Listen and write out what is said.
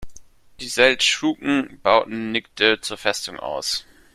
Die Seldschuken bauten Niğde zur Festung aus.